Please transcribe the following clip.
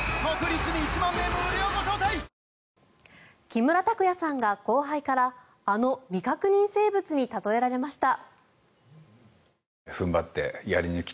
木村拓哉さんが後輩からあの未確認生物に例えられました。